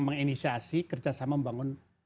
menginisiasi kerjasama membangun